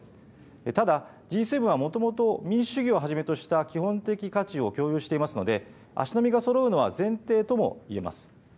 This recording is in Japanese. ただ、Ｇ７はもともと民主主義をはじめとした基本的価値を共有していますので、足並みがそろうのは前提ともいえます。